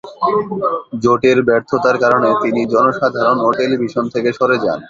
জোটের ব্যর্থতার কারণে তিনি জনসাধারণ ও টেলিভিশন থেকে সরে যান।